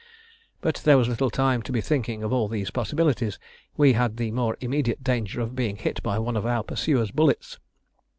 But there was little time to be thinking of all these possibilities; we had the more immediate danger of being hit by one of our pursuers' bullets.